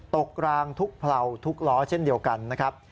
กลางทุกเผลาทุกล้อเช่นเดียวกันนะครับ